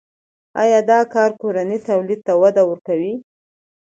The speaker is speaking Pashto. آیا دا کار کورني تولید ته وده ورکوي؟